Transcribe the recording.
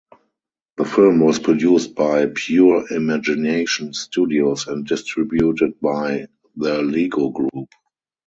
The film was produced by Pure Imagination Studios and distributed by The Lego Group.